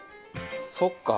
そっか。